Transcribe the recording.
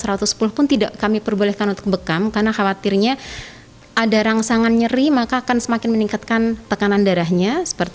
jadi batas maksimalnya satu ratus tujuh puluh per satu ratus sepuluh pun tidak kami perbolehkan untuk bekam karena khawatirnya ada rangsangan nyeri maka akan semakin meningkatkan tekanan darahnya